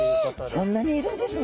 そんなにいるんですね